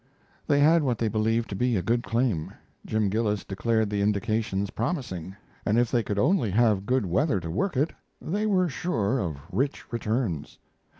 They had what they believed to be a good claim. Jim Gillis declared the indications promising, and if they could only have good weather to work it, they were sure of rich returns.